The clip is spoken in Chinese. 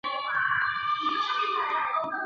朴勍完是一名韩国男子棒球运动员。